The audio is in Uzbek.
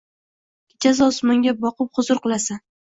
kechasi osmonga boqib huzur qilasan.